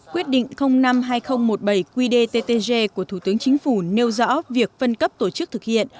quyết định năm hai nghìn một mươi bảy quy đề ttg của thủ tướng chính phủ nêu rõ việc phân cấp tổ chức thực hiện